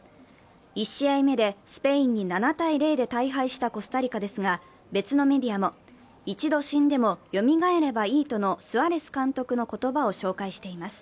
１試合目でスペインに７−０で大敗したコスタリカですが別のメディアも一度死んでもよみがえればいいとのスアレス監督の言葉を紹介しています。